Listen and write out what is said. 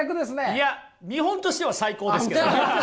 いや見本としては最高ですけどね！